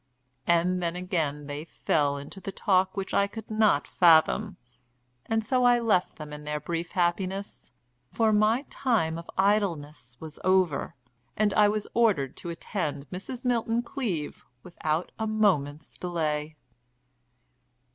And then again they fell into the talk which I could not fathom. And so I left them in their brief happiness, for my time of idleness was over, and I was ordered to attend Mrs. Milton Cleave without a moment's delay.